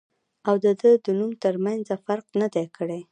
او د دۀ د نوم تر مېنځه فرق نۀ دی کړی